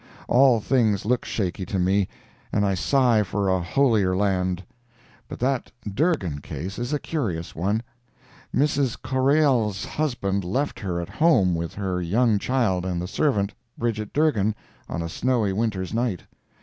All things look shaky to me, and I sigh for a Holier land. But that Dergan case is a curious one. Mrs. Corriell's husband left her at home with her young child and the servant, Bridget Dergan, on a snowy winter's night.